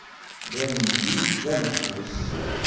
Rran-iyi d ameḥbus.